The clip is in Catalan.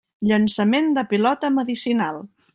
Llançament de pilota medicinal.